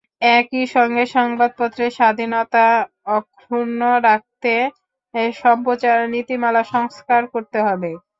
একই সঙ্গে সংবাদপত্রের স্বাধীনতা অক্ষুণ্ন রাখতে সম্প্রচার নীতিমালা সংস্কার করতে হবে।